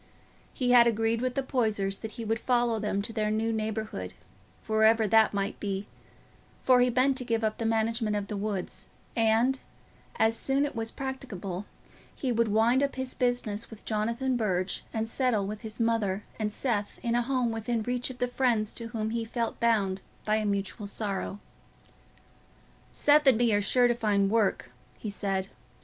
He had agreed with the Poysers that he would follow them to their new neighbourhood, wherever that might be, for he meant to give up the management of the woods, and, as soon as it was practicable, he would wind up his business with Jonathan Burge and settle with his mother and Seth in a home within reach of the friends to whom he felt bound by a mutual sorrow. "Seth and me are sure to find work," he said.